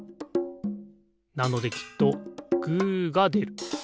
なのできっとグーがでる。